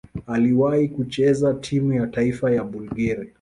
Aliwahi kucheza timu ya taifa ya Bulgaria.